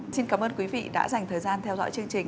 xin cảm ơn quý vị đã dành thời gian theo dõi chương trình